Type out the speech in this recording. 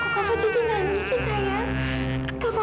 kau jadi nangis ya sayang